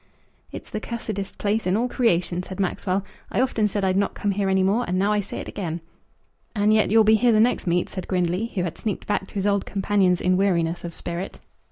"It's the cussidest place in all creation," said Maxwell. "I often said I'd not come here any more, and now I say it again." "And yet you'll be here the next meet," said Grindley, who had sneaked back to his old companions in weariness of spirit.